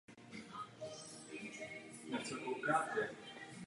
Potřebujeme celý proces zjednodušit, aby občané mohli stížnosti podávat snadněji.